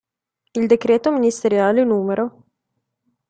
Il decreto ministeriale n.